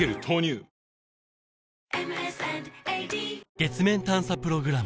月面探査プログラム